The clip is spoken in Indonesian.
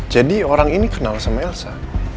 jadi orang ini kenal sama wilsa